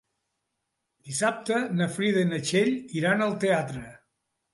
Dissabte na Frida i na Txell iran al teatre.